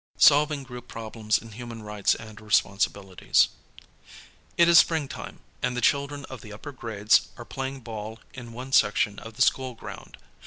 SOLVING GROUP PROBLEMS IN HUMAN RIGHTS AND RESPONSIBILITIES It is springtime and the children of the upper grades are playing ball in one section of the school ground.